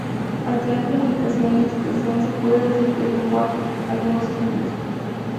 Al tener comunicación y expresión se puede decir que es lenguaje, algunos ejemplos.